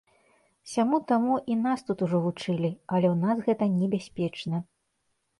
Сяму-таму і нас тут ужо вучылі, але ў нас гэта небяспечна.